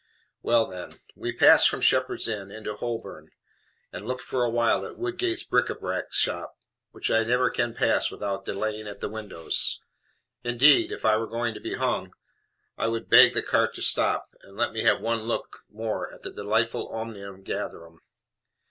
Well, then. We passed from Shepherd's Inn into Holborn, and looked for a while at Woodgate's bric a brac shop, which I never can pass without delaying at the windows indeed, if I were going to be hung, I would beg the cart to stop, and let me have one look more at that delightful omnium gatherum.